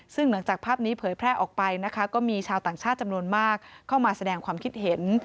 ซึ่งหลังจากภาพนี้เผยแพร่ออกไปนะคะก็มีชาวต่างชาติจำนวนมากเข้ามาแสดงความคิดเห็น